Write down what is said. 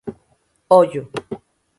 Ollo!